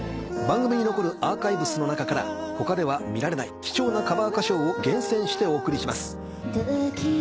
番組に残るアーカイブスの中から他では見られない貴重なカバー歌唱を厳選してお送りします。